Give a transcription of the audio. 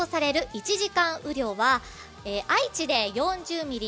１時間雨量は愛知で４０ミリ